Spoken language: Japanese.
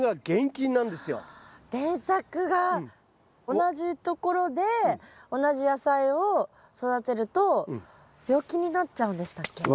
同じところで同じ野菜を育てると病気になっちゃうんでしたっけ？